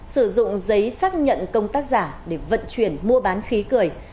sử dụng giấy xác nhận công tác giả để vận chuyển mua bán khí cười